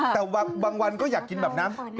แต่บางวันก็อยากกินแบบน้ำ